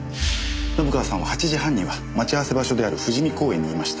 信川さんは８時半には待ち合わせ場所である富士美公園にいました。